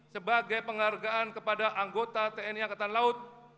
sebagai penghargaan kepada anggota tni angkatan laut